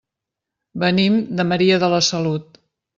Venim de Maria de la Salut.